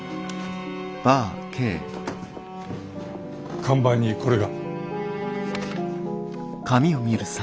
看板にこれが。